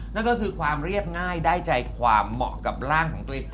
นั่นก็คือความเรียบง่ายได้ใจความเหมาะกับร่างของตัวเอง